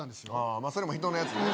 まあそれも人のやつね